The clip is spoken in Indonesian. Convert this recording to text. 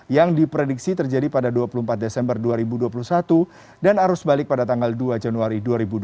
yang diprediksi terjadi pada dua puluh empat desember dua ribu dua puluh satu dan arus balik pada tanggal dua januari dua ribu dua puluh